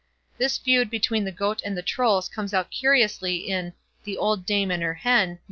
This feud between the Goat and the Trolls comes out curiously in "The Old Dame and her Hen", No.